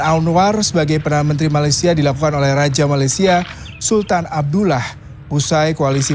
anwar sebagai perdana menteri malaysia dilakukan oleh raja malaysia sultan abdullah usai koalisi